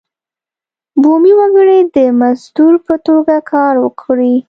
بومي وګړي د مزدور په توګه کار وکړي.